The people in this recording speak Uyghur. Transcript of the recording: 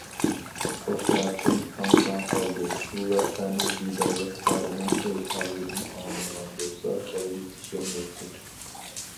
قۇشناچىم ھاڭ- تاڭ قالدى، بۇ ۋەقەنى ھىدايەت قارىنىڭ ئۆز ئاغزىدىن ئاڭلىمىغان بولسا ھەرگىز ئىشەنمەيتتى.